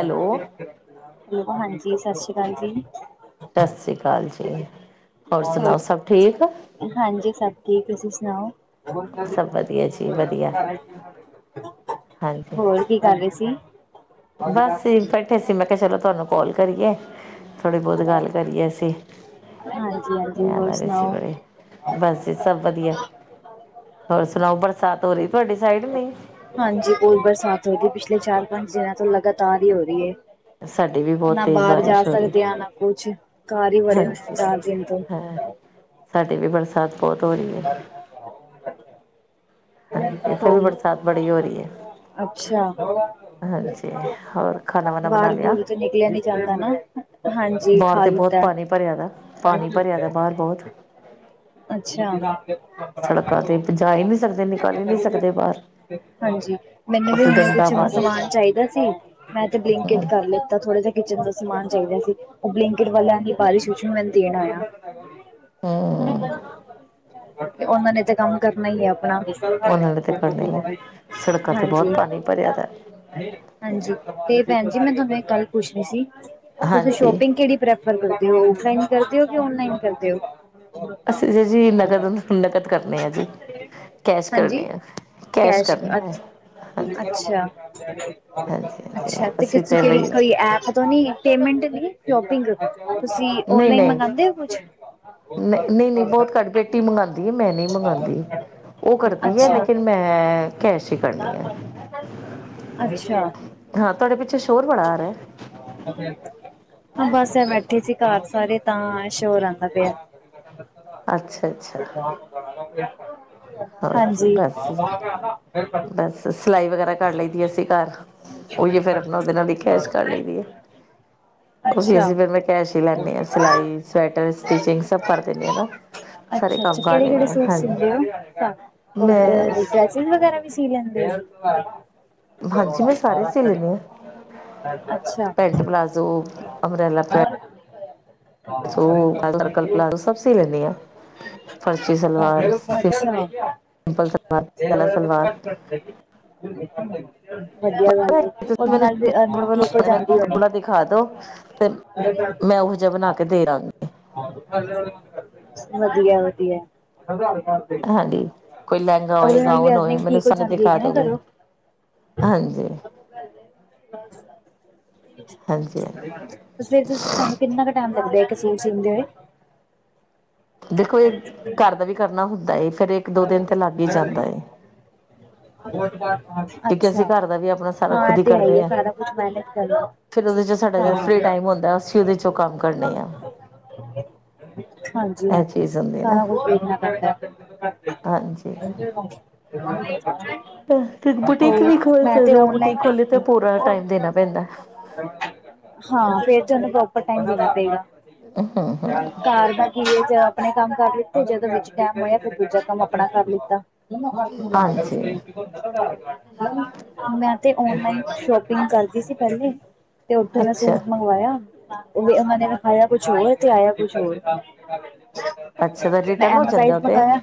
ਹੈਲ ਹਾਂਜੀ ਸਤਿ ਸ੍ਰੀ ਅਕਾਲ ਜੀ। ਸਤਿ ਸ਼੍ਰੀ ਅਕਾਲ ਜੀ ਹੋਰ ਸੁਣਾਓ ਸਭ ਠੀਕ। ਹੋਰ ਹਾਂਜੀ ਸਭ ਠੀਕ ਤੁਸੀਂ ਸੁਣਾਓ। ਸਭ ਵਧੀਆ ਜੀ ਵਧੀਆ ਹਾਂਜੀ ਹੋਰ ਕੀ ਕਰ ਰਹੇ ਸੀ। ਬਸ ਬੈਠੇ ਸੀ ਮੈਂ ਕਿਹਾ ਚਲੋ ਤੁਹਾਨੂੰ ਕਾਲ ਕਰੀਏ। ਥੋੜ੍ਹੀ ਬਹੁਤ ਗੱਲ ਕਰੀਏ ਅ ਹਾਂਜੀ ਹਾਂਜੀ ਯਾਦ ਹੋਰ ਆਾਰ ਇਸ ਸੁਣਾਓ ਬੜੇ। ਬਸ ਸਭ ਵਧੀਆ ਹੋਰ ਸੁਣਾਓ ਬਰਸਾਤ ਹੋ ਰਹੀ ਤੁਹਾਡੀ ਸਾਈਡ ਨਹੀਂ। ਹਾਂਜੀ ਹੋਰ ਬਰਸਾਤ ਹੋ ਰ ਪਿਛਲੇ ਚਾਰ ਪੰਜ ਦਿਨਾਂ ਤੋਂ ਲਗਾਤਾਰ ਹੀ ਹੋ ਰਹੀ ਹੈ। ਸਾਡੀ ਵੀ ਬਹੁਤ ਨਾ ਤੇਜ਼ ਬਾਹਰ ਜਾ ਬਾਰਿਸ਼ ਹੋ ਰਹੀ ਸਕਦੇ ਆ ਨਾ ਕੁਛ ਘਰ ਹੀ ਵੜੇ ਹੋ ਹਾਂਜੀ ਚਾਰ ਦਿਨ ਤੋਂ। ਸਾਡੀ ਵੀ ਬਰਸਾਤ ਬਹੁਤ ਹੋ ਰਹੀ ਹੈ ਹਾਂਜੀ ਇੱਥੇ ਵੀ ਹੋਰ ਬਰਸਾਤ ਬੜੀ ਹੋ ਰਹੀ ਹੈ ਅੱਛਾ ਹਾਂਜੀ ਹੋਰ ਖਾਣਾ ਵਾਣਾ ਬਣਾ ਬਾਹਰ ਲਿਆ ਬੂਰ ਤੇ ਨਿਕਲਿਆ ਨੀ ਦਾ ਨਾ ਹਾਂਜੀ ਬਾਹਰ ਖਾ ਤੇ ਬਹੁਤ ਲਿਤਾ ਪਾਣੀ ਭਰਿਆ ਦਾ ਪਾਣੀ ਭਰਿਆ ਦਾ ਬਾਹਰ ਬਹੁਤ ਅੱਛਾ ਸੜਕਾਂ ਤੇ ਜਾ ਹੀ ਨਹੀਂ ਸਕਦੇ ਨਿਕਲ ਹੀ ਨਹੀਂ ਸਕਦੇ ਬਾਹਰ ਹਾਂਜੀ ਮੈਨੂੰ ਉਹ ਵੀ ਫਿਰ ਹੁਣ ਕੁਛ ਗੰਦਾ ਪਾਣੀ ਸਮਾਨ ਚਾਹੀਦਾ ਸੀ ਮੈਂ ਤੇ ਬਲਿੰਕਟ ਕਰ ਲਿਤਾ ਥੋੜਾ ਜਿਹਾ ਕਿਚਨ ਦਾ ਸਮਾਨ ਚਾਹੀਦਾ ਸੀ ਉਹ ਬਲਿਂਕੀਟ ਵੱਲਿਆਂ ਬਾਰੀਸ਼ ਚ ਵੀ ਦੇਣ ਆਯਾ ਹਮ ਉਹਨਾਂ ਨੇ ਤੇ ਕੰਮ ਕਰਨਾ ਹੀ ਹੈ ਆਪਣਾ ਚ ਉਹਨਾਂ ਨੇ ਤੇ ਮ ਕਰਨਾ ਕੋਈ ਰਣਾ ਹੀ ਹੈ [unintelligible] ਸੜਕਾਂ 'ਤੇ ਬਹੁਤ ਪਾਣੀ ਭਰਿਆ ਦੈ ਹਾਂਜੀ ਤੇ ਭੈਣ ਜੀ ਮੈਂ ਤੁਹਾਨੂੰ ਇਕ ਗੱਲ ਪੁੱਛਣੀ ਸੀ ਹਾਂਜੀ ਸ਼ੋਪਿੰਗ ਕਿਹੜੀ ਪ੍ਰੈ ਰ ਕਰਦੇ ਹੋ ਓਫਲਾਈਨ ਕਰਦੇ ਹੋ ਕਿ ਔਨਲਾਈਨ ਕਰਦੇ ਹੋ ਅਸੀਂ ਜ ਜੀ ਨਕਦ-ਨਕਦ ਕਰਨੇ ਆ ਜੀ ਕੈਸ਼ ਕਰਨੇ ਆ ਕੈਸ਼ ਕਰਨੇ ਆ ਹਾਂਜੀ ਹਾਂਜੀ ਹਾਂਜੀ ਅੱਛਾ-ਅੱਛਾ ਤੇ ਅਸੀਂ ਕਿਸ ਤਾਂ ਕਿਹੜੀ ਬਈ ਕੋਈ ਐਪ ਨ ਪੇਮੈਂਟ ਨ ਸ਼ੋਪਿੰਗ ਤੁਸੀਂ ਓਨਲਾਈਨ ਮੰਗਾਂਦੇ ਹੋ ਕੁਛ ਨਹੀਂ-ਨਹੀਂ-ਨਹੀਂ ਬਹੁਤ ਘੱਟ ਬੇਟੀ ਮੰਗਵਾਉਂਦੀ ਹੈ ਮੈਂ ਨਹੀਂ ਮੰਗਉਂਦੀ ਉਹ ਕਰਦੀ ਹੈ ਅੱਛਾ ਲੇਕਿਨ ਮੈਂ ਏ ਕੈਸ਼ ਹੀ ਕਰਨੀ ਹੈ, ਅੱਛਾ ਹਾਂ ਤੁਹਾਡੇ ਪਿੱਛੇ ਸ਼ੋਰ ਬੜਾ ਆ ਰਿਹਾ ਹਾਂ ਬਸ ਏਹ ਬੈਠੇ ਸੀ ਘਰ ਸਾਰੇ ਤਾਂ ਸ਼ੋਰ ਆਂਦਾ ਪਿਆ ਅੱਛਾ ਅੱਛਾ [unintelligible] ਹੋਰ ਜੀ ਹਾਂਜੀ ਬਸ ਜੀ ਬਸ ਸਿਲਾਈ ਵਗੈਰਾ ਕਰ ਲਈ ਦੀ ਅਸੀਂ ਘਰ ਉਹੀ ਫਿਰ ਅਪਨਾ ਉਹਦੇ ਨਾਲ ਵੀ ਕੈਸ਼ ਕਰ ਲਈ ਦੀ ਹੈ ਉਹ ਵੀ ਅੱਛਾ ਅਸੀਂ ਫਿਰ ਮੈਂ ਕੈਸ਼ ਹੀ ਲੈਨੀ ਹਾਂ ਸਿਲਾਈ, ਸਵੈਟਰ, ਸਟਿਚਿੰਗ ਸਭ ਕਰ ਦੇਨੀ ਆ ਨਾ ਸਾਰੇ ਅੱਛਾ, ਕੰਮ ਅੱਛਾ ਕਰ ਕਿਹੜੇ, ਲੈਂਦੇ ਕਿਹੜੇ ਹਾਂ ਸੂਟ ਹਾਂਜੀ ਸਿੰਦੇ ਹੋ ਮੈਂ ਨ ਵਗੈਰਾ ਵੀ ਸੀ ਲੈਂਦੇ ਓ ਹਾਂਜੀ ਮੈਂ ਸਾਰੇ ਸੀ ਲੈਂਨੀ ਆ ਅੱਛਾ ਅੱਛਾ। ਪੈਂਟ, ਪਲਾਜ਼ੋ, ਅੰਬਰੇ ਲਾ ਪੈਂ [unintelligible] ਸਰਕਲ ਪਲਾਜ਼ੋ ਸਭ ਸੀ ਲੈਣੀ ਆ ਫਰਚੀ ਸਲਵਾਰ, ਸਿੰਪਲ ਸਲਵਾਰ, ਕਲਾ ਸਲਵਾਰ [inaudible] ਵਧੀਆ ਗੱਲ ਏ ਉਹਦੇ ਤੁਸੀਂ ਮੈਨੂੰ ਨਾਲ ਵੀ ਪਕੌੜੇ ਠੀਕ ਹੋ ਬਣਵਾਣੇ ਮੈਨੂੰ ਜਾਂਦੀ ਹੋਨੀ ਪਕੌੜਾ ਦਿਖਾ ਦੋ ਤੇ ਮੈਂ ਉਹੋ ਜਿਹਾ ਬਨਾ ਕੇ ਦੇ ਦਾਂਗੀ [unintelligible] ਵਧੀਆ ਵਧੀਆ ਅਧਾਰ ਕਾਡ ਹਾਂਜੀ, ਕੋਈ ਲਹਿੰਗਾ ਹੋਏ, ਗਾਊਨ ਹੋਏ, ਅਰਨਿੰਗ ਮੈਨੂੰ ਠੀਕ ਹੋ ਸਾਨੂੰ ਜਾਂਦੀ ਦਿਖਾ ਹੈਗੀ ਦੋਗੇ, ਹਾਂਜੀ? ਬਸ ਹਾਂਜੀ-ਹਾਂਜੀ ਫੇਰ ਤੁਸੀਂ ਤੁਹਾਨੂੰ ਕਿੰਨਾ ਕੁ ਟਾਈਮ ਲੱਗਦਾ ਇੱਕ ਸੂਟ ਸੀਦੇ ਹੋਏ ਦੇਖੋ ਇਹ ਘਰ ਦਾ ਵੀ ਕਰਨਾ ਹੁੰਦਾ ਏ ਫੇਰ ਇੱਕ ਦੋ ਦਿਨ ਤੇ ਲੱਗ ਹੀ ਜਾਂਦਾ ਹੈ ਅਸੀਂ ਅੱਛਾ ਘਰ ਦਾ ਵੀ ਆਪਣਾ ਸਾਰਾ ਹਾਂ ਤੇ ਹੈ ਹੀ ਹੈ ਸਾਰਾ ਕੁਛ [unintelligible] ਕਰ ਫੇਰ ਉਹਦੇ ਚੋਂ ਸਾਡਾ ਜਿਹੜਾ ਫਰੀ ਟਾਈਮ ਹੁੰਦਾ ਅਸੀਂ ਉਹਦੇ ਚੋਂ ਕੰਮ ਕਰਨੇ ਆ ਹਾਂਜੀ, ਇਹ ਹਾਂਜੀ ਚੀਜ਼ ਹੁੰਦੀ ਨਾ ਸਾਰਾ ਕੁਛ ਵੇਖਣਾ ਪੈਂਦਾ ਹਾਂਜੀ [unintelligible] ਬੁਟੀਕ ਹੋਰ ਵੀ ਖੋਲ ਮੈਂ ਤੇ ਸਕਦੇ ਹੋ ਬੁਟੀਕ ਖੋਲੇ ਤੇ ਔਨਲਾਈਨ ਪੂਰਾ ਟਾਈਮ ਦੇਣਾ ਪੈਂਦਾ ਹਾਂ ਫੇਰ ਤੇ ਉਹਨੂੰ ਪ੍ਰੋਪਰ ਟਾਈਮ ਦੇਣਾ ਪਏਗਾ ਹ ਹਾਂ ਹਾਂ ਘਰ ਦਾ ਕੀ ਆਪਣੇ ਕੰਮ ਕਰ ਲਿੱਤੇ ਜਦੋਂ ਵਿੱਚ ਟਾਈਮ ਹੋਇਆ ਫਿਰ ਦੂਜਾ ਕੰਮ ਆਪਣਾ ਕਰ ਲਿੱਤਾ [unintelligible] ਹਾਂਜੀ ਮੈਂ ਤੇ ਓਨਲਾਈਨ ਸ਼ੋਪਿੰਗ ਕਰਦੀ ਸੀ ਪਹਿਲੇ ਤੇ ਉੱਥ ਅੱਛਾ ਮੈਂ [unintelligible] ਆਇਆ ਓ ਵੀ ਓਹਨਾ ਨੇ ਵਿਖਾਇਆ ਕੁਛ ਹੋਰ ਤੇ ਆਇਆ ਕੁਛ ਹੋਰ ਅੱਛਾ ਤਾਂ ਮੈਂ ਰਿਟਰਨ ਹੋ ਐਮ ਜਾਂਦਾ ਸਾਈਜ਼ ਉਹ ਤੇ ਮੰਗਾਇਆ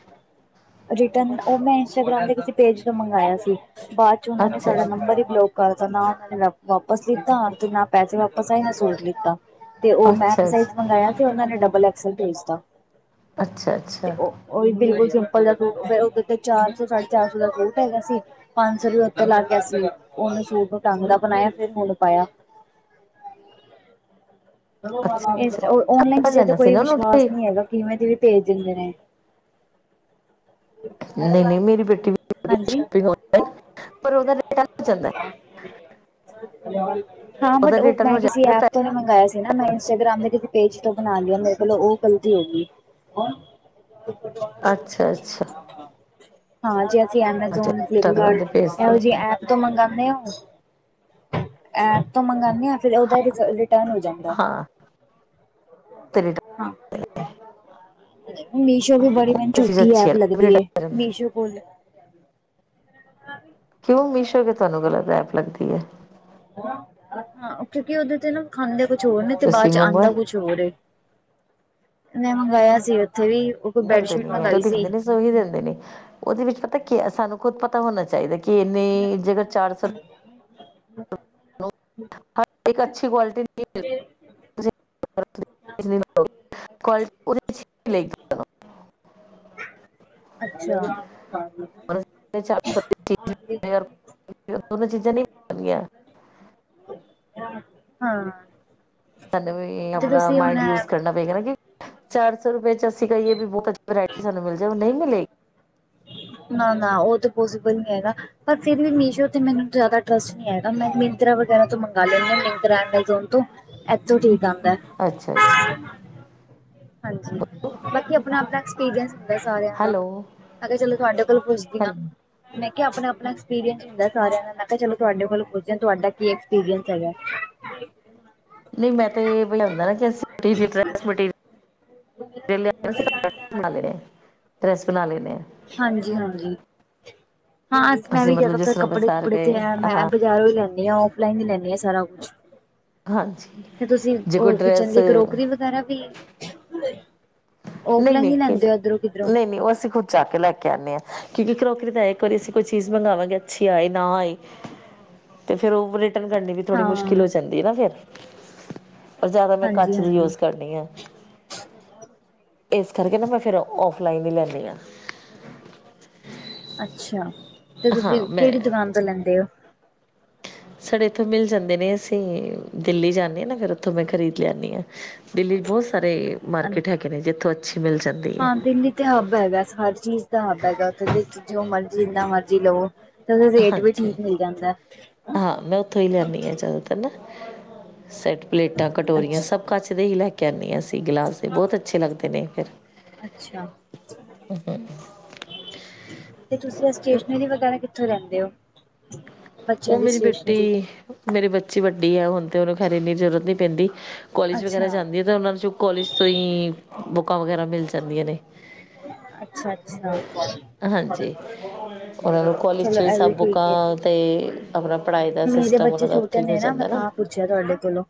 ਰਿਟਰਨ ਉਹ ਮੈਂ ਇੰਸਟਾਗ੍ਰਾਮ ਤੇ ਕਿਸੇ ਪੇਜ ਤੋਂ ਮੰਗਿਆ ਸੀ ਬਾਅਦ ਚ ਉਹਨਾ ਨੇ ਅੱਛਾ ਸਾਡਾ ਨੰਬਰ ਹੀ ਬਲੋਕ ਘਰ ਦਾ ਨਾ ਉਹਨਾਂ ਨੇ ਵਾਪਸ ਕੀਤਾ, 'ਤੇ ਨਾ ਪੈਸੇ ਵਾਪਸ ਆਏ, ਨਾ ਸੂਟ ਲਿੱਤਾ। ਤੇ ਉਹ ਮੈ ਅੱਛਾ ਐਕਸਲ ਸਾਈਜ਼ ਮੰਗਾਇਆ, ਤੇ ਉਹਨਾਂ ਨੇ ਡਬਲ ਐਕਸਲ ਭੇਜਤਾ। ਅੱਛਾ ਤੇ ਅੱਛਾ ਉਹ ਉਹੀ ਬਿਲਕੁਲ ਸਿੰਪਲ ਜਿਹਾ ਸੂਟ। ਫਿਰ ਉਹਦੇ ਤੇ ਚਾਰ ਸੌ ਸਾਢੇ ਚਾਰ ਸੌ ਦਾ ਕੋਟ ਹੈਗਾ ਸੀ। ਪੰਜ ਸੌ ਰੁਪਏ ਉਤੇ ਲੱਗ ਗਿਆ ਸੀ। ਉਹਨੇ ਸੂਟ ਕੁਛ ਢੰਗ ਦਾ ਬਣਾਇਆ, ਫਿਰ ਹੁਣ ਪਾਇਆ। ਹ [inaudible] ਇਸ ਓਨਲਾਈਨ ਚੀਜ਼ਾਂ ਤੇ ਕੋਈ ਨਾ ਉਹਨੂੰ ਵਿਸ਼ਵਾਸ ਨਹੀਂ ਹੈਗਾ। ਕਿਵੇਂ ਦੀ ਵੀ ਭੇਜ ਦਿੰਦੇ ਨੇ। ਨਹੀਂ ਨਹੀਂ, ਮੇਰੀ ਬੇਟੀ ਵੀ ਖਰੀਦਦੀ ਆ ਹਾਂਜੀ ਕੱਪੜੇ ਆਨਲਾਈਨ, ਪਰ ਉਹਦਾ ਤੇ ਕਾਫ਼ੀ ਚਲਦਾ। ਹਾਂ, ਬੱਟ ਉਹ ਰਿਟਰਨ ਮੈਂ ਹੋ ਕਿਸੇ ਜਾਂਦਾ ਐਪ ਥੋੜ੍ਹਾ ਮੰਗਇਆ ਸੀ ਨਾ। ਮੈਂ ਇੰਸਟਾਗ੍ਰਾਮ ਦੇ ਪੇਜ ਤੋਂ ਬਣਾ ਲਿਆ। ਮੇਰੇ ਕੋਲੋਂ ਉਹ ਗਲਤੀ ਹੋ ਗਈ। ਕੌਣ ਅੱਛਾ-ਅੱਛਾ। ਹਾਂ, ਜੀ ਅਸੀਂ ਅੱਛਾ ਐਮਾਜੋਨ, ਇੰਸਟਾਗ੍ਰਾਮ ਫਲਿਪਕਾਰਟ, ਤੇ ਭੇਜ ਦੋ ਐਹੋ ਜਿਹੀ ਐਪ ਤੋਂ ਮੰਗਾਨੇ ਓ? ਐਪ ਤੋਂ ਮੰਗਾਨੇ ਆ। ਫਿਰ ਉਹਦਾ ਇਹ ਰਿਜ਼ਲਟ, ਰਿਟਰਨ ਹੋ ਜਾਂਦਾ, ਹਾਂ ਤੇ ਰਿਟਰਨ ਹਾਂ ਮੀਸ਼ੋ ਵੀ ਬੜੀ, ਮੈਨੂੰ ਤੇ ਚੀਜ਼ ਛੋਟੀ ਅੱਛੀ ਐਪ ਹੈ ਲੱਗਦੀ ਏ। ਰਿਟਰਨ ਮੀਸ਼ੋ ਕੋਲ [unintelligible] ਕਿਉਂ, ਮੀਸ਼ੋ ਕਿਉਂ ਤੂਹਾਨੂੰ ਗਲਤ ਐਪ ਲੱਗਦੀ ਐ? ਹਾਂ, ਕਿਉਂਕਿ ਉਹਦੇ 'ਚ ਨਾ ਵਿਖਾਂਦੇ ਕੁਛ ਹੋਰ ਨੇ, ਤੇ ਬਾਅਦ ਤੁਸੀਂ 'ਚ ਮੰਗਵਾ ਆਦਾਂ ਕੁਛ ਛ ਹੋਰ ਏ, ਮੈਂ ਮੰਗਾਇਆ ਸੀ ਉੱਥੇ ਵੀ ਉਹ ਕੋਈ ਬੈਡਸ਼ੀਟ ਮੰਗਾਈ ਸੀ। ਓਹੀ ਦਿੰਦੇ ਨੇ। ਉਹਦੇ ਵਿੱਚ ਪਤਾ ਕੀ ਐ, ਸਾਨੂੰ ਖੁੱਦ ਪਤਾ ਹੋਣਾ ਚਾਹੀਦਾ ਕਿ ਇੰਨੀ ਜਗ੍ਹਾ ਚਾਰ ਸੌ ਹੈਲੋ, ਹਾਂ ਇੱਕ ਅੱਛੀ ਕੁਆਲਿਟੀ ਨਹੀਂ ਮਿਲ [inaudible] ਅੱਛਾ। ਹਾਂ ਦੋਨੋ ਚੀਜ਼ਾਂ ਨਹੀਂ ਮਿਲਦੀਆਂ। ਹਾਂ। ਹਾਨੂੰ ਵੀ ਆਪਣਾ ਮਾਇੰਡ ਯੂਜ ਕਰਨਾ ਪਏਗਾ ਨਾ ਕਿ ਚਾਰ ਸੌ ਰੁਪਏ ਚ ਅਸੀਂ ਕਹੀਏ ਵੀ ਬਹੁਤ ਅੱਛੀ ਵਰਾਇਟੀ ਸਾਨੂੰ ਮਿਲ ਜਾਏ ਉਹ ਨਹੀਂ ਮਿਲੇਗੀ। ਨਾ ਨਾ ਉਹ ਤੇ ਪੋਸੀਬਲ ਨੀ ਹੈਗਾ। ਪਰ ਫਿਰ ਵੀ ਮੀਸ਼ੋ ਤੇ ਮੈਨੂੰ ਜ਼ਿਆਦਾ ਟਰਸਟ ਨ ਹੈਗਾ ਮੈਂ ਮਿੰਤਰਾ ਵਗੈਰਾ ਤੋਂ ਮੰਗਵਾ ਲੈਂਦੀ ਮਿੰਤਰਾ, ਐਮਾਜ਼ੋਨ ਤੋਂ ਇੱਥੋਂ ਠੀਕ ਆਉਂਦਾ। ਅੱਛਾ-ਅੱਛਾ ਹਾਂਜੀ, ਬਾਕੀ ਆਪਣਾ ਆਪਣਾ ਐਕਸਪੀਰੀਅੰਸ ਹੁੰਦਾ ਸਾਰਿਆਂ ਦਾ, ਹੈਲੋ ਅੱਗੇ ਚਲੋ ਤੁਹਾਡੇ ਕੋਲ ਪੁੱਛਦੀ ਹੈਲੋ ਹਾਂ। ਮੈ ਕਿਹਾ ਆਪਣਾ - ਆਪਣਾ ਐਕਸਪੀਰੀਅੰਸ ਹੁੰਦਾ ਸਾਰਿਆਂ ਦਾ, ਮੈ ਕਿਹਾ ਚਲੋ ਤੁਹਾਡੇ ਵੱਲੋ ਪੁੱਛਦੇ ਆ, ਤੁਹਾਡਾ ਕੀ ਐਕਸਪੀਰੀਅੰਸ ਹੈਗਾ? ਨਹੀਂ, ਮੈਂ ਤੇ ਬਈ ਲਿਆਦਾ ਸੀ ਟੀ ਜੀ ਮੈਂਟੀਰਿਅਲ ਵਿਰਲੇ [unintelligible] ਤੂ ਬਣਾ ਲਏ ਨੇ, ਡਰੈਸ ਬਣਾ ਲੈਨੇ ਆ। ਹਾਂਜੀ ਹਾਂਜੀ, ਹਾਂ ਐਸ ਮੈਂ ਅਸੀਂ ਵੀ ਮਤਲਬ ਕਹਤਾ ਜਿਸ ਐਸ ਤਰ੍ਹਾਂ ਕੱਪੜੇ ਬਾਜ਼ਾਰ -ਕੁਪੜੇ ਤੇ ਗਏ ਹੈ ਮੈਂ ਹਾਂ ਵੀ ਬਾਜ਼ਾਰੋਂ ਹੀ ਲੈਨੀ ਆ, ਆਫਲਾਈਨ ਹੀ ਲੈਨੀ ਆ ਸਾਰਾ ਕੁਝ ਹਾਂਜੀ 'ਤੇ ਤੁਸੀਂ ਜੇ ਕੋਈ ਉਹ ਕਿਚਨ ਡਰੈਸ ਦੀ ਕਰੋਕਰੀ ਵਗੈਰਾ ਵੀ ਨਹੀਂ ਔਫਲਾਈਨ ਨਹੀਂ ਵੀ ਕਿ ਲੈਂਦੇ ਓ, ਐਧਰੋ ਕਿਧਰੋ? ਨਹੀਂ ਨਹੀਂ ਉਹ ਅਸੀਂ ਖੁਦ ਜਾ ਕੇ ਲੈ ਕੇ ਆਉਂਨੇ ਹਾਂ, ਕਿਉਂਕਿ ਕਰੋਕਰੀ ਦਾ ਇੱਕ ਵਾਰੀ ਅਸੀਂ ਕੋਈ ਚੀਜ਼ ਮੰਗਾਵਾਂਗੇ, ਅੱਛੀ ਆਏ ਨਾ ਆਏ। ਤੇ ਫਿਰ ਉਹ ਵਾ ਕਟਿੰਗ ਕਰਨੀ ਵੀ ਥੋੜੀ ਮੁਸ਼ਕਿਲ ਹਾਂ ਹੋ ਜਾਂਦੀ ਹੈ ਨਾ ਫਿਰ? ਪਰ ਜਿਆਦਾ ਮੈਂ ਹਾਂਜੀ ਕੱਚ ਦੀ ਹਾਂਜੀ ਯੂਜ਼ ਕਰਨੀ ਆ। ਇਸ ਕਰਕੇ ਨਾ ਮੈਂ ਫਿਰ ਔਫਲਾਈਨ ਹੀ ਲੈਂਨੀ ਹਾਂ। ਅੱਛਾ ਤੇ ਤੁਸੀਂ ਹਾਂ ਫਿਰ ਮੈਂ ਕਿਹੜੀ ਦੁਕਾਨ ਤੋਂ ਲੈਂਦੇ ਹੋ? ਸਾਡੇ ਇੱਥੋਂ ਮਿਲ ਜਾਂਦੇ ਨੇ, ਅਸੀਂ ਦਿੱਲੀ ਜਾਂਦੇ ਹਾਂ ਨਾ ਫਿਰ ਉੱਥੋਂ ਮੈਂ ਖਰੀਦ ਲੀਆਨੀ ਆ। ਦਿੱਲੀ 'ਚ ਬਹੁਤ ਸਾਰੇ ਮਾਰਕੀਟ ਹੈਗੇ ਨੇ ਜਿੱਥੋਂ ਅੱਛੀ ਮਿਲ ਜਾਂਦੀ ਹੈ ਹਾਂ ਦਿੱਲੀ ਤੇ ਹੱਬ ਹੈਗਾ ਹਰ ਚੀਜ਼ ਦਾ ਹੱਬ ਹੈਗਾ, ਉਥੇ ਦੇ ਜੋ ਮਰਜੀ ਜਿੰਨਾ ਮਰਜ਼ੀ ਲਵੋ। ਤੇ ਉਹਦਾ, ਰੇਟ ਵੀ ਹਾਂਜੀ ਠੀਕ ਮਿਲ ਜਾਂਦਾ। ਹਾਂ ਮੈਂ ਉੱਥੋਂ ਹੀ ਲੈਂਦੀ ਹਾਂ ਜ਼ਿਆਦਾਤਰ ਨਾ, ਸੈਟ, ਪਲੇਟਾਂ, ਕਟੋਰੀਆਂ, ਅੱਛਾ ਸਭ ਕੱਚ ਦੇ ਹੀ ਲੈ ਕੇ ਆਦੀਆ ਸੀਂ। ਏ ਗਲਾਸ ਵੀ ਬਹੁਤ, ਅੱਛੇ ਲੱਗਦੇ ਨੇ ਫਿਰ ਅੱਛਾ ਤੇ ਤੁਸੀ, ਸਟੇਸ਼ਨਰੀ ਵਗੈਰਾ ਕਿੱਥੋਂ ਲਹਿੰਦੇ ਹੋ? ਬੱਚਿਆਂ ਉਹ, ਦੀ ਮੇਰੀ ਬੇਟੀ ਸਟੇਸ਼ਨਰੀ ਮੇਰੀ ਬੱਚੀ ਵੱਡੀ ਆ, ਹੁਣ ਤਾਂ ਉਹਨੂੰ ਖੈਰ ਇੰਨੀ ਜ਼ਰੂਰਤ ਨਹੀਂ ਪੈਂਦੀ, ਕੋਲਜ ਵਗੈਰਾ ਅੱਛਾ ਜਾਂਦੀ ਉਹਨਾ ਨੂੰ, ਚ ਕੋਲਜ ਤੋਂ ਹੀ, ਬੁੱਕਾਂ ਵਗੈਰਾ ਮਿਲ ਜਾਂਦੀਆਂ ਨੇ, ਅੱਛਾ ਅੱਛਾ ਹਾਂਜੀ ਉਹਨਾਂ ਨੂੰ, ਕੋਲਜ ਚਲੋ ਚੋਂ ਹੀ ਇਹ ਵੀ ਸਬ ਠੀਕ ਹੈ ਬੁਕਾਂ ਤੇ ਆਪਣਾ ਪੜ੍ਹਾਈ ਦਾ ਮੇਰੇ ਸਿਸਟਮ, ਉਹਨਾਂ ਬੱਚੇ ਦਾ ਛੋਟੇ ਉੱਥੋਂ ਹੀ ਹੋ ਨੇ ਮੈਂ ਜਾਂਦਾ ਨਾ ਤਾਂ ਪੁੱਛਿਆ ਤੁਹਾਡੇ ਕੋਲੋਂ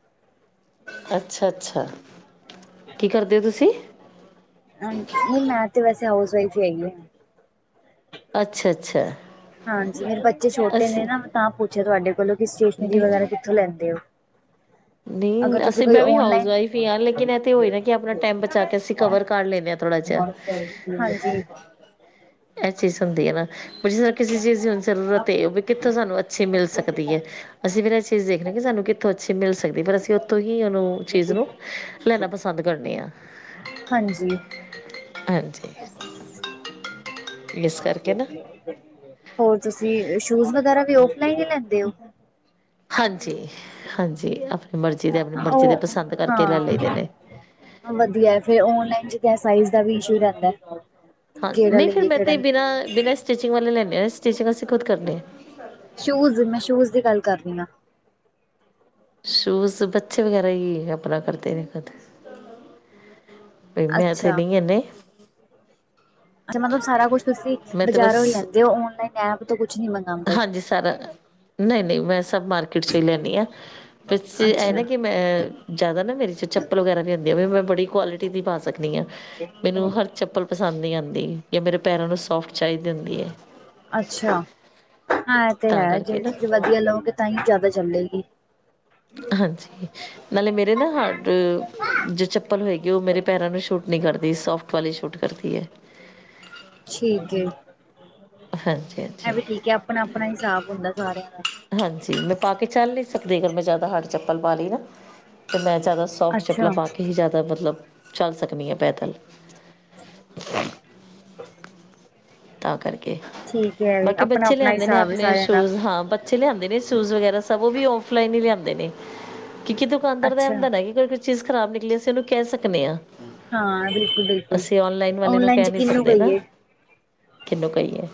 ਅੱਛਾ -ਅੱਛਾ ਕੀ ਕਰਦੇ ਹੋ ਤੁਸੀਂ? ਹਾਂ, ਮੈਂ ਨਾ ਤੇ ਵੈਸੇ ਹਾਊਸ ਵਈਫ ਹੀ ਹੈਗੀ ਆ। ਅੱਛਾ -ਅੱਛਾ। ਹਾਂਜੀ, ਮੇਰੇ ਬੱਚੇ ਛੋਟੇ ਨੇ ਅਸੀਂ ਨਾ ਮੈਂ ਤਾਂ ਪੁੱਛਿਆ? ਤੁਹਾਡੇ ਕੋਲੋਂ ਕਿ ਸਟੇਸ਼ਨਰੀ, ਨਹੀਂ ਵਗੈਰਾ ਕਿੱਥੋਂ ਲੈਂਦੇ ਹੋ? ਨਹੀਂ ਅਗਰ ਤੁਸੀਂ ਅਸੀਂ, ਕੋਈ ਮੈਂ ਵੀ ਹਾਊਸ ਔਨਲਾਈਨ ਵਈਫ ਹੀ ਹਾਂ ਲੇਕਿਨ, ਐ ਤੇ ਹੋਏ ਨਾ ਕਿ ਆਪਣਾ ਟਾਈਮ ਬਚਾ ਕੇ, ਅਸੀਂ ਕਵਰ ਕਰ ਲੈਂਦੇ ਹਾਂ ਥੋੜ੍ਹਾ ਜਿਹਾ ਹਾਂਜੀ। ਇਹ ਚੀਜ਼ ਹੁੰਦੀ ਹੈ ਨਾ, ਜਿਸ ਤਰ੍ਹਾਂ ਕਿਸੇ ਚੀਜ਼ ਦੀ ਹੀ ਜ਼ਰੂਰਤ ਹੈ ਉਹ ਵੀ ਕਿੱਥੋਂ, ਸਾਨੂੰ ਅੱਛੀ ਮਿਲ ਸਕਦੀ ਏ ਅਸੀਂ ਫਿਰ, ਇਹ ਚੀਜ਼ ਦੇਖਦੇ ਕਿ ਸਾਨੂੰ ਕਿੱਥੋਂ ਅੱਛੇ ਮਿਲ ਫਿਰ ਅਸੀਂ ਉੱਥੋਂ ਹੀ, ਉਹਨੂੰ ਚੀਜ਼ ਨੂੰ ਲੈਣਾ ਪਸੰਦ ਕਰਨਦੇ ਹਾਂ। ਹਾਂਜੀ, ਹਾਂਜੀ ਇਸ ਕਰਕੇ ਨਾ ਹੋਰ ਤੁਸੀਂ, ਸ਼ੂਜ ਵਗੈਰਾ ਵੀ ਫਲਾਈਨ ਹੀ ਲੈਂਦੇ ਹੋ? ਹਾਂਜੀ -ਹਾਂਜੀ ਆਪਣੀ ਮਰਜੀ ਦੇ -ਆਪਣੀ ਮਰਜ਼ੀ ਦੇ ਉਹ ਪਸੰਦ ਕਰਕੇ ਲੈ ਲਈਦੇ ਹਾਂ ਨੇ, ਵਧੀਆ, ਫਿਰ ਔਨਲਾਈਨ ਚ ਕ ਸਾਈਜ਼ ਦਾ ਵੀ ਇਸ਼ੂ ਰਹਿੰਦਾ ਹਾਂਜੀ, ਕਿਹੜਾ ਨਹੀਂ ਫਿਰ ਲਈਏ ਮੈਂ ਕਿਹੜਾ ਤੇ ਨਹੀਂ ਬਿਨਾਂ ਲਈਏ -ਬਿਨਾਂ ਸਟਿਚਿੰਗ ਵਾਲੇ ਲੈਂਣੇ ਹ ਸਟਿਚਿੰਗ ਅਸੀਂ ਖੁਦ ਕਰਨੇ ਹਾਂ। ਸ਼ੂਜ, ਮੈਂ ਸ਼ੂਜ ਦੀ ਗੱਲ ਕਰੀ ਹਾਂ। ਸ਼ੂਜ਼, ਬੱਚੇ ਵਗੈਰਾ ਹੀ ਆਪਣਾ ਕਰਦੇ ਨੇ ਖੁਦ, ਬਈ, ਮੈਂ ਇੱਥੇ ਅੱਛਾ ਨ ਇਨੇ ਮਤਲਬ, ਸਾਰਾ ਕੁਛ ਤੁਸੀਂ ਬਜ਼ਾਰ ਹੋ ਹੀ ਲੈਂਦੇ ਔ ਔਨਲਾਈਨ ਐਪ ਤੋਂ ਕੁਛ ਨੀ ਬ ਹਾਂਜੀ ਸਾਰਾ ਨਹੀਂ ਨਹੀਂ ਮੈਂ ਸਭ ਮਾਰਕੀਟ ਚੋਂ ਹੀ ਲੈਦੀ ਹਾਂ। ਬ ਇਹ ਅੱਛਾ ਨਾ ਕਿ, ਮੈਂ ਜਿਆਦਾ ਨਾ ਮੈਂ ਚ ਚੱਪਲ ਵਗੈਰਾ ਵੀ ਲਾਉਣੀ ਆ, ਮੈਂ ਬੜੀ ਕੁਆਲਿਟੀ ਦੀ ਪਾ ਮੈਨੂੰ ਹਰ ਚੱਪਲ ਪਸੰਦ ਨੀ ਆਉਂਦੀ ਜਾਂ ਮੇਰੇ ਪੈਰਾਂ ਨੂੰ ਸੋਫਟ ਚਾਹੀਦੀ ਹੁੰਦੀ ਹੈ ਅੱਛਾ, ਹਾਂ ਇਹ ਤੇ ਤਾਂ ਹੈ, ਕਰਕੇ ਜੇ ਨਾ ਤੁਸੀਂ ਵਧੀਆ ਲਓਗੇ ਤਾਂ, ਹੀ ਜ਼ਿਆਦਾ ਚੱਲੇਗੀ। ਹਾਂਜੀ, ਨਾਲੇ ਮੇਰੇ ਨਾ ਹਾਰਡ ਜੋ ਚੱਪਲ ਹੋਏਗੀ, ਉਹ ਮੇਰੇ ਪੈਰਾਂ ਨੂੰ ਸ਼ੂਟ ਨਹੀਂ ਕਰਦੀ, ਸੋਫਟ ਵਾਲੀ ਸ਼ੂਟ ਕਰਦੀ ਹੈ। ਠੀਕ ਹੈ, ਹਾਂਜੀ ਇਹ ਹਾਂਜੀ ਵੀ ਠੀਕ ਹੈ ਆਪਣਾ -ਆਪਣਾ ਹਿਸਾਬ ਹੁੰਦਾ ਸਾਰਿਆਂ ਦਾ। ਹਾਂਜੀ, ਮੈਂ ਪਾ ਕੇ ਚੱਲ ਨਹੀਂ ਸਕਦੀ ਅਗਰ ਮੈਂ ਜ਼ਿਆਦਾ ਹਡ ਚੱਪਲ ਪਾ ਲਈ, ਨਾ ਤਾਂ ਮੈਂ ਜ਼ਿਆਦਾ ਸੋਫਟ ਅੱਛਾ ਚੱਪਲਾਂ, ਪਾ ਕੇ ਹੀ ਜ਼ਿਆਦਾ, ਮਤਲਬ ਚੱਲ ਸਕਦੀ ਹੈ ਪੈਦਲ [inaudible] ਤਾਂ ਕਰਕੇ, ਠੀਕ ਹੈ ਵੀ ਬਾਕੀ ਆਪਣਾ ਬੱਚੇ ਆਪਣਾ ਲਿਆਂਦੇ ਨੇ ਹਿਸਾਬ ਹੈ ਆਪਣੇ ਸਾਰਿਆਂ ਦਾ ਸ਼ੂਜ ਹਾਂ। ਬੱਚੇ ਲਿਆਦੇ ਨੇ ਸ਼ੂਜ ਵਗੈਰਾ, ਔ ਸਭ ਉਹ ਵੀ ਔ- ਫਲਾਈਨ ਹੀ ਲਿਆਦੇ ਨੇ ਕਿਉ ਦੁਕਾਨਦਾਰ ਦਾ ਅੱਛਾ ਹੁੰਦਾ ਚੀਜ਼ ਖਰਾਬ ਨਿਕਲੇ, ਅਸੀਂ ਉਹਨੂੰ ਕਹਿ ਸਕਦੇ ਹਾਂ। ਹਾਂ ਬਿਲਕੁਲ ਬਿਲਕੁਲ ਅਸੀਂ ਓਨਲਾਈਨ ਵਾਲੇ ਨੂੰ, ਔਨਲਾਈਨ ਕਹਿ ਚ ਨ ਨਹੀਂ ਕਿਹਨੂੰ ਸਕਦੇ ਨਾ, ਕਹੀਏ ਕਿਹਨੂੰ, ਕਹੀਏ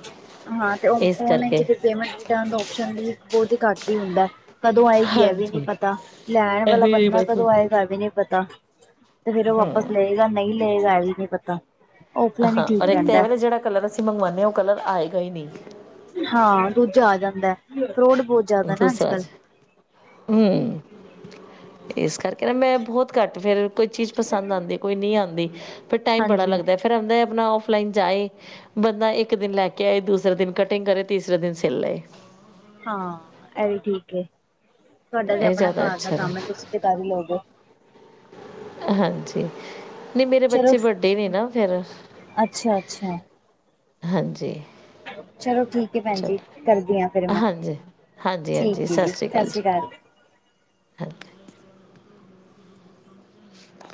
ਹਾਂ ਤੇ, ਇਸ ਔਨ ਲਾਈਨ ਚ ਕਰਕੇ ਪੇਮੈਂਟ ਓਕਸ਼ਨ ਬਹੁਤ ਹੀ ਘੱਟ ਹੀ ਹੁੰਦਾ। ਕਦੋਂ ਆਏਗੀ, ਇਹ ਵੀ ਨੀ ਹਾਂਜੀ ਪਤਾ, ਲੈਣ ਵਾਲਾ ਇਹੀ ਬੰਦਾ ਬਸ ਕਦੋਂ ਆਏਗਾ? ਇਹ ਵੀ ਨਹੀਂੀ ਪਤਾ, ਤੇ ਫੇਰ ਉਹ ਵਾਪਸ ਹਮ ਲਏਗਾ ਨਹੀਂ ਲਏਗਾ ਇਹ ਵੀ ਨਹੀਂ ਪਤਾ ਔਫਲਾਈਨ ਹੀ ਹਾਂ ਠੀਕ ਔਰ, ਇੱਕ ਤਾਂ ਰਹਿੰਦਾ ਐਵੇਂ ਨਾ ਜਿਹੜਾ ਕਲਰ ਅਸੀਂ ਮੰਗਵਾਉਂਦੇ ਹ, ਉਹ ਕਲਰ ਆਏਗਾ ਹੀ ਨਹੀਂ। ਹਾਂ, ਦੂਜਾ ਆ ਜਾਂਦਾ ਫਰੋਟ ਬੋ ਦੂ ਸਾਜ ਹਮ, ਇਸ ਕਰਕੇ ਕਹਿੰਦਾ ਮੈਂ ਬਹੁਤ ਘੱਟ, ਫਿਰ ਕੋਈ ਚੀਜ਼ ਪਸੰਦ ਆਉਂਦੀ ਕੋਈ ਨਹੀਂ ਆਉਂਦੀ, ਫਿਰ ਟਾਈਮ ਬੜਾ ਹਾਂਜੀ ਲੱਗਦਾ। ਫਿਰ ਹੁੰਦਾ ਏ ਆਪਣਾ ਔਫਲਾਈਨ ਜਾਏ। ਬੰਦਾ ਇੱਕ ਦਿਨ ਲੈ ਕੇ ਆਏ, ਦੂਸਰੇ ਦਿਨ ਕਟਿੰਗ ਕਰੇ, ਤੀਸਰੇ ਦਿਨ ਸਿੱਲ ਲਏ। ਹਾਂ ਏਹ ਵੀ ਠੀਕ ਏ, ਤੁਹਾਡਾ ਤੇ ਇਹ ਆਪਣਾ ਜ਼ਿਆਦਾ ਕਾਰ ਦਾ ਅੱਛਾ ਰ ਕੰਮ ਹੈ ਤੁਸੀਂ ਤੇ ਕਰ ਈ ਲੋਗੇ? ਹਾਂਜੀ, ਨਈ ਮੇਰੇ ਬੱਚੇ ਵੱਡੇ ਨੇ ਨਾ ਫੇਰ। ਅੱਛਾ-ਅੱਛਾ। ਹਾਂਜੀ। ਚਲੋ ਠੀਕ ਹੈ ਭੈਣ ਚਲੋ ਜੀ, ਕਰਦੀ ਆ ਫਿਰ ਮੈਂ। ਹਾਂਜੀ ਹਾਂਜੀ ਹਾਂਜੀ ਠੀਕ ਜੀ, ਸਤਿ ਸ਼੍ਰੀ ਅਕਾਲ। ਹੈ। [inaudible]